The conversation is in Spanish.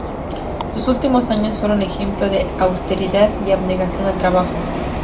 Sus últimos años fueron ejemplo de austeridad y abnegación al trabajo.